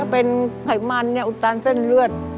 เป็นไขมันอุดตันเส้นเลือด